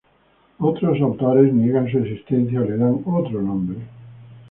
Otros autores niegan su existencia o le dan otro nombre.